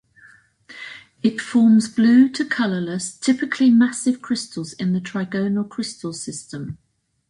It forms blue to colorless, typically massive crystals in the trigonal crystal system.